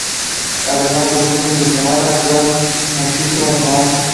Además, los fines de semana actúan músicos famosos.